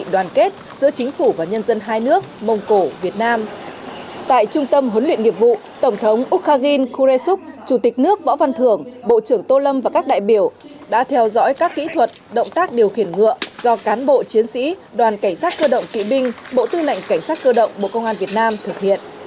đoàn cảnh sát cơ động kỵ binh bộ tư lệnh cảnh sát cơ động bộ công an việt nam thực hiện